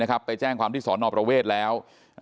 ก็แจ้งความที่สอนอผัวพระเวทย์แล้ว